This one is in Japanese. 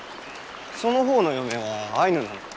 そのほうの嫁はアイヌなのか？